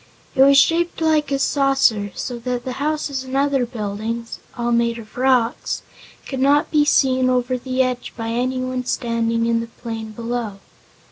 It was shaped like a saucer, so that the houses and other buildings all made of rocks could not be seen over the edge by anyone standing in the plain below.